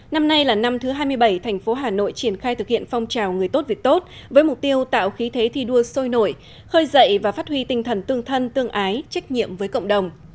năm nay là năm thứ hai mươi bảy thành phố hà nội triển khai thực hiện phong trào người tốt việc tốt với mục tiêu tạo khí thế thi đua sôi nổi khơi dậy và phát huy tinh thần tương thân tương ái trách nhiệm với cộng đồng